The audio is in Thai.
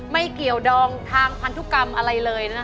ไม่เกี่ยวดองทางพันธุกรรมอะไรเลยนะคะ